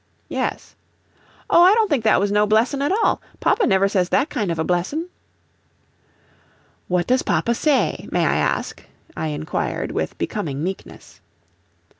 "Yes." "Oh, I don't think that was no blessin' at all. Papa never says that kind of a blessin'." "What does papa say, may I ask?" I inquired, with becoming meekness.